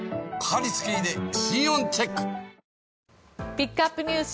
ピックアップＮＥＷＳ